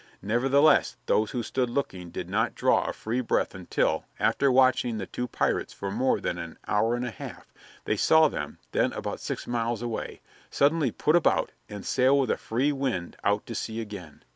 Nevertheless, those who stood looking did not draw a free breath until, after watching the two pirates for more than an hour and a half, they saw them then about six miles away suddenly put about and sail with a free wind out to sea again.